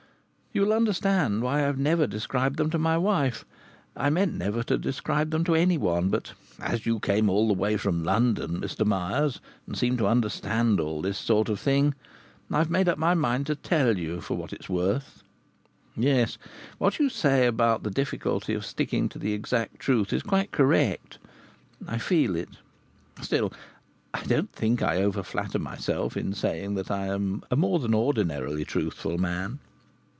You will understand why I've never described them to my wife. I meant never to describe them to anyone. But as you came all the way from London, Mr Myers, and seem to understand all this sort of thing, I've made up my mind to tell you for what it's worth. Yes, what you say about the difficulty of sticking to the exact truth is quite correct. I feel it. Still, I don't think I over flatter myself in saying that I am a more than ordinarily truthful man.